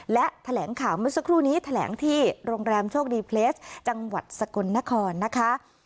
และแถลงข่าวเมื่อสักครู่นี้แถลงที่โรงแรมโชคดีเพลสจังหวัดสกลนครนะคะ